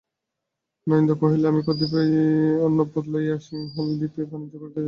নয়নানন্দ কহিল আমি কতিপয় অর্ণবপোত লইয়া সিংহলদ্বীপে বাণিজ্য করিতে যাইতেছিলাম।